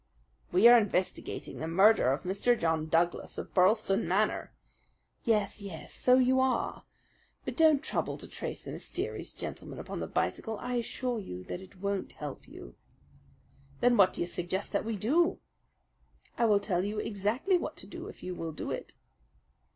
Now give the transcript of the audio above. "We are investigating the murder of Mr. John Douglas of Birlstone Manor." "Yes, yes, so you are. But don't trouble to trace the mysterious gentleman upon the bicycle. I assure you that it won't help you." "Then what do you suggest that we do?" "I will tell you exactly what to do, if you will do it."